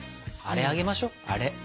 あれあげましょあれ。